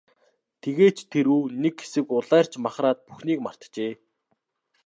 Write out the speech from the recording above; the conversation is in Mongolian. Тэгээд ч тэр үү, нэг хэсэг улайрч махраад бүхнийг мартжээ.